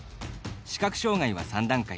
視覚障がいは３段階。